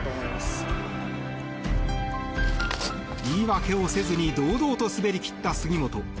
言い訳をせずに堂々と滑り切った杉本。